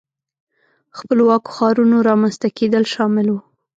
خپلواکو ښارونو رامنځته کېدل شامل وو.